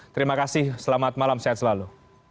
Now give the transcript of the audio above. terima kasih selamat malam sehat selalu